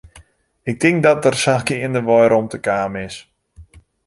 Ik tink dat der sa geandewei rûmte kaam is.